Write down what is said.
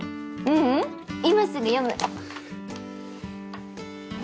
ううん今すぐ読む。